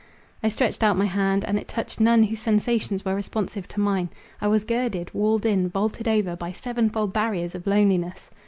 I stretched out my hand, and it touched none whose sensations were responsive to mine. I was girded, walled in, vaulted over, by seven fold barriers of loneliness.